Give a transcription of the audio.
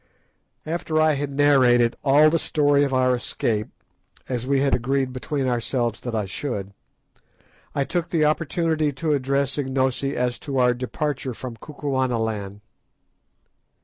After I had narrated all the story of our escape, as we had agreed between ourselves that I should, I took the opportunity to address Ignosi as to our departure from Kukuanaland.